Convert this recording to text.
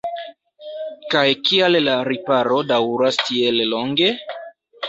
Kaj kial la riparo daŭras tiel longe?